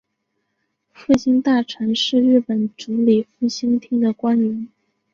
复兴大臣是日本主理复兴厅的官员。